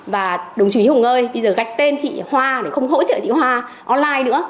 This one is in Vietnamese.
và đồng chí hùng ngơi bây giờ gạch tên chị hoa để không hỗ trợ chị hoa online nữa